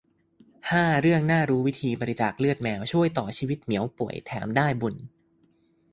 ห้า เรื่องน่ารู้วิธีบริจาคเลือดแมว ช่วยต่อชีวิตเหมียวป่วย แถมได้บุญ